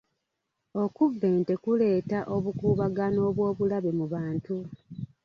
Okubba ente kuleeta obukuubagano obw'obulabe mu bantu.